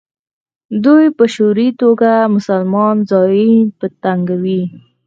دوی په شعوري توګه مسلمان زایرین په تنګوي.